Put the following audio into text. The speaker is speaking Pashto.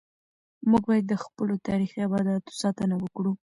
موږ باید د خپلو تاریخي ابداتو ساتنه وکړو.